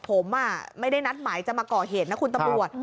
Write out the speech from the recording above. ผมไม่ได้นัดหมายจะมาก่อเหตุนะคุณตำรวจ